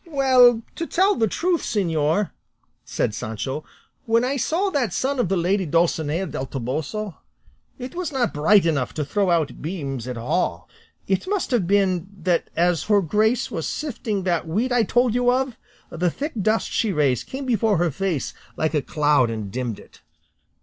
"Well, to tell the truth, señor," said Sancho, "when I saw that sun of the lady Dulcinea del Toboso, it was not bright enough to throw out beams at all; it must have been, that as her grace was sifting that wheat I told you of, the thick dust she raised came before her face like a cloud and dimmed it."